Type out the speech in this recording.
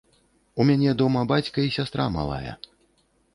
У мяне дома бацька і сястра малая.